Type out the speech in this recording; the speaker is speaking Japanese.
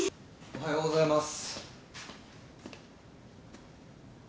・おはようございます。